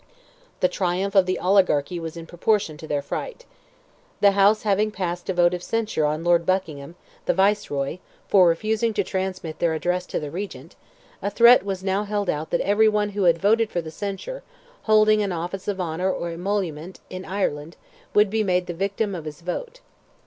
The triumph of the oligarchy was in proportion to their fright. The House having passed a vote of censure on Lord Buckingham, the Viceroy, for refusing to transmit their address to the Regent, a threat was now held out that every one who had voted for the censure, holding an office of honour or emolument in Ireland, would be made "the victim of his vote."